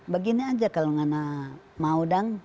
begini aja kalau nggak mau dong